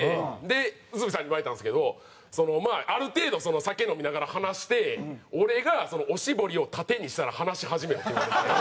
内海さんに言われたんですけど「ある程度酒飲みながら話して俺がおしぼりを縦にしたら話し始めろ」って言われて。